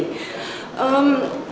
kalau kamu bakalan kembali ke sini